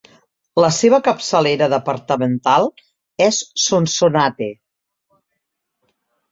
La seva capçalera departamental és Sonsonate.